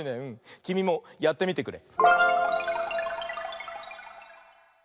きみもやってみてくれ。